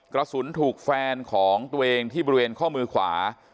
กระสุนถูกแฟนของตัวเองที่บริเวณข้อมือขวา